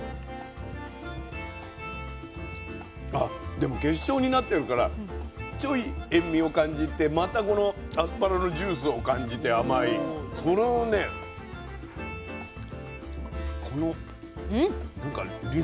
でも結晶になってるからちょい塩味を感じてまたこのアスパラのジュースを感じて甘いこのリズムがいいですね。